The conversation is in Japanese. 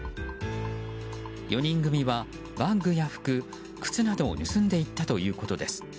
４人組は、バッグや服靴などを盗んでいったということです。